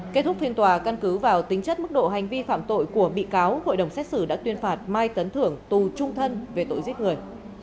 kết thúc phiên tòa căn cứ vào tính chất mức độ hành vi phạm tội của bị cáo hội đồng xét xử đã tuyên phạt mai tấn thưởng tù trung thân về tội giết người